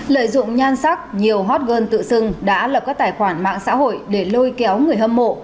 lợi dụng nhan sắc nhiều hot girl tự xưng đã lập các tài khoản mạng xã hội để lôi kéo người hâm mộ